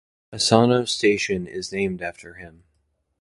Asano Station is named after him.